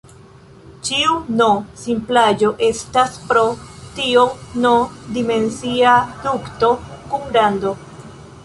Ĉiu "n"-simplaĵo estas pro tio "n"-dimensia dukto kun rando.